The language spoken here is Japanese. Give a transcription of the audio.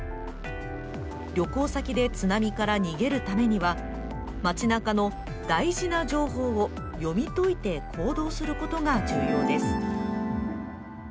旅行先で津波から逃げるためには街なかの大事な情報を読み解いて行動することが重要です。